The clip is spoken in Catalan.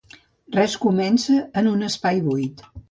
Res comença en un espai buit.